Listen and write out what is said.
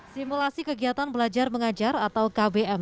simulasi kegiatan belajar mengajar atau kbm